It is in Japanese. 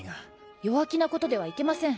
弱気なことではいけません。